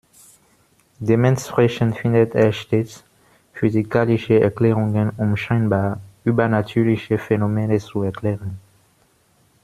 Dementsprechend findet er stets physikalische Erklärungen um scheinbar übernatürliche Phänomene zu erklären.